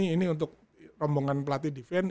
ini untuk rombongan pelatih defense